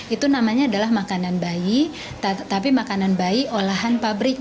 itu namanya adalah makanan bayi tapi makanan bayi olahan pabrik